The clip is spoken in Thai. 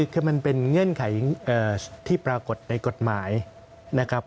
คือมันเป็นเงื่อนไขที่ปรากฏในกฎหมายนะครับ